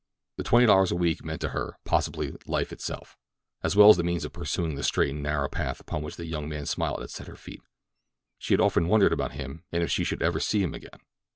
The twenty dollars a week meant to her, possibly, life itself, as well as the means of pursuing the straight and narrow path upon which a young man's smile had set her feet. She often wondered about him and if she should ever see him again.